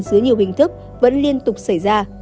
dưới nhiều hình thức vẫn liên tục xảy ra